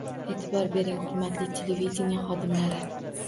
–E’tibor bering, hurmatli televideniye xodimlari!